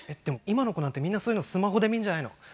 でも今の子なんてみんなそういうのスマホで見んじゃないの？